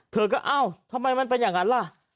เธอก็เอ้าทำไมมันเป็นอย่างนั้นล่ะ